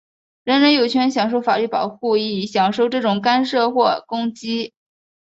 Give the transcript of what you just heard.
人人有权享受法律保护,以免受这种干涉或攻击。